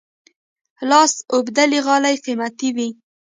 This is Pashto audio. لاس اوبدلي غالۍ قیمتي وي.